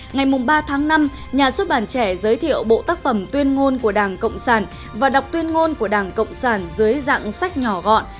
ngày ba tháng năm nhà xuất bản trẻ giới thiệu bộ tác phẩm tuyên ngôn của đảng cộng sản và đọc tuyên ngôn của đảng cộng sản dưới dạng sách nhỏ gọn